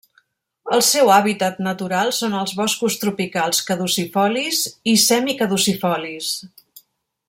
El seu hàbitat natural són els boscos tropicals caducifolis i semicaducifolis.